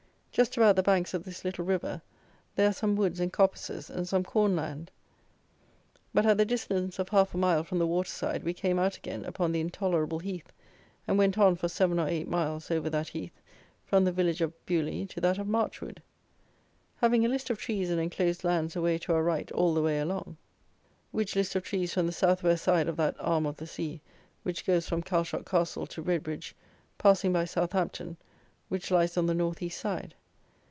Just about the banks of this little river, there are some woods and coppices, and some corn land; but, at the distance of half a mile from the water side, we came out again upon the intolerable heath, and went on for seven or eight miles over that heath, from the village of Beaulieu to that of Marchwood. Having a list of trees and enclosed lands away to our right all the way along, which list of trees from the south west side of that arm of the sea which goes from Chalshot castle to Redbridge, passing by Southampton, which lies on the north east side.